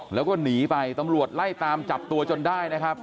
แล้วก็หนีไปตำรวจไล่ตามจับตัวจนได้นะครับ